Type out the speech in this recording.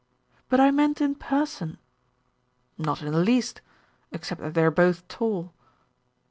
"But I meant in person." "Not in the least. Except that they are both tall."